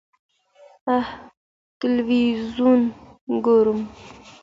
ه تلویزیون ګورم.